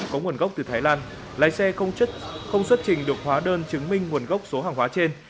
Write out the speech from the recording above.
có nguồn gốc từ thái lan lái xe không xuất trình được hóa đơn chứng minh nguồn gốc số hàng hóa trên